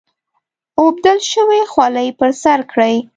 اوبدل شوې خولۍ پر سر کړي.